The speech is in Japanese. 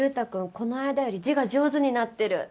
この間より字が上手になってる！